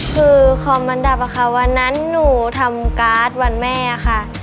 คือคอมมันดับค่ะวันนั้นหนูทำการ์ดวันแม่ค่ะ